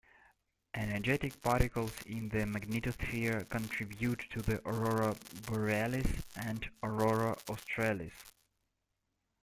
Energetic particles in the magnetosphere contribute to the aurora borealis and aurora australis.